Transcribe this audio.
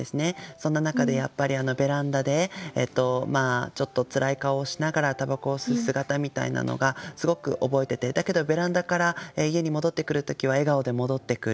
そんな中でやっぱりベランダでちょっとつらい顔をしながら煙草を吸う姿みたいなのがすごく覚えててだけどベランダから家に戻ってくる時は笑顔で戻ってくる。